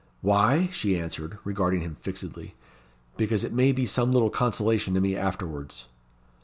"Why?" she answered, regarding him fixedly. "Because it may be some little consolation to me afterwards."